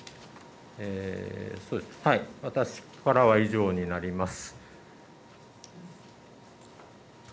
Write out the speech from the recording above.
私からは以上になります。